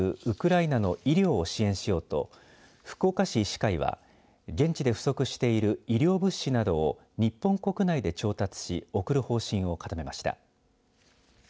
ウクライナの医療を支援しようと福岡市医師会は現地で不足している医療物資などを日本国内で調達し送る方針を固めました。